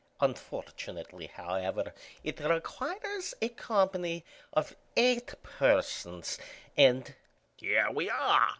Unfortunately, however, it requires a company of eight persons and—" "Here we are!"